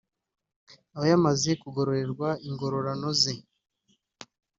aba yamaze kugororerwa ingororano ze